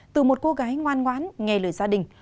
từ một cô gái ngoan ngoãn nghe lời gia đình